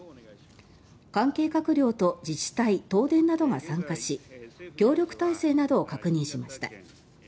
関係閣僚と自治体東電などが参加し協力体制などを確認しました。